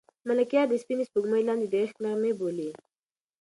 ملکیار د سپینې سپوږمۍ لاندې د عشق نغمې بولي.